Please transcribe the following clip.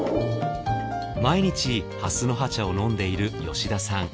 毎日蓮の葉茶を飲んでいる吉田さん。